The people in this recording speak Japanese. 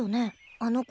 あの子。